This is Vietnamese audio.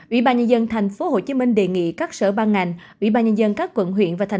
ủy ban nhân dân tp hcm đề nghị các sở ban ngành ủy ban nhân dân các quận huyện và thành